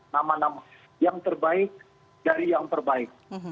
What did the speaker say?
nama nama yang terbaik dari yang terbaik